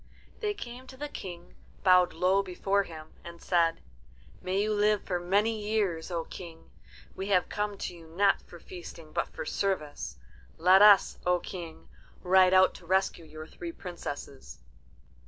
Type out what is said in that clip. They came to the King, bowed low before him, and said, "May you live for many years, O King. We have come to you not for feasting but for service. Let us, O King, ride out to rescue your three princesses."